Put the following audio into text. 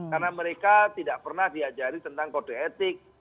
karena mereka tidak pernah diajari tentang kode etik